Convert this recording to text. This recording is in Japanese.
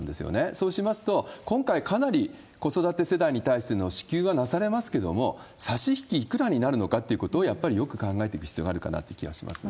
そうしますと、今回、かなり子育て世帯に対しての支給はなされますけれども、差し引きいくらになるのかってことを、やっぱりよく考えていく必要があるかなって気がしますね。